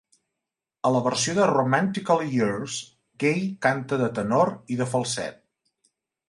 A la versió de "Romantically Yours", Gaye canta de tenor i de falset.